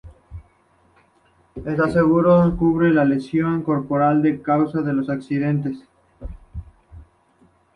Este seguro cubre la lesión corporal por causa de accidentes.